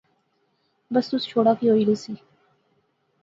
بس تس چھوڑا، کی ہوئی رہسی